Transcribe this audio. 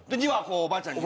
おばあちゃんに。